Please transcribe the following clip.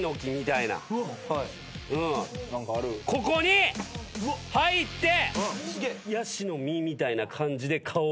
ここに入ってヤシの実みたいな感じで顔を出して。